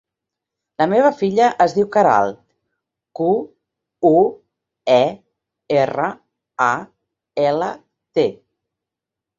La meva filla es diu Queralt: cu, u, e, erra, a, ela, te.